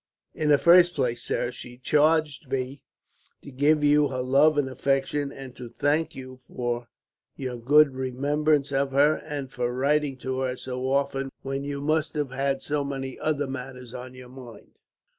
"In the first place, sir, she charged me to give you her love and affection, and to thank you for your good remembrance of her, and for writing to her so often, when you must have had so many other matters on your mind."